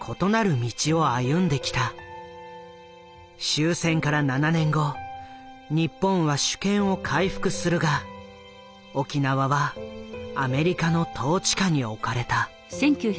終戦から７年後日本は主権を回復するが沖縄はアメリカの統治下に置かれた。